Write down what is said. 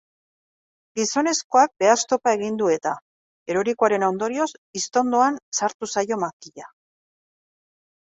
Gizonezkoak behaztopa egin du eta, erorikoaren ondorioz, iztondoan sartu zaio makila.